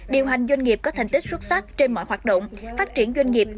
điều hành doanh nghiệp có thành tích xuất sắc trên mọi hoạt động phát triển doanh nghiệp